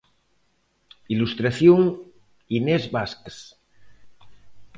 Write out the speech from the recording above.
Ilustración: Inés Vázquez.